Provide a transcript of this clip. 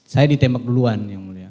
saya ditembak duluan yang mulia